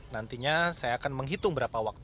nantinya saya akan menghitung berapa waktu